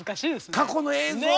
過去の映像は。